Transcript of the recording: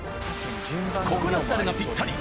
ココナッツだれがぴったり！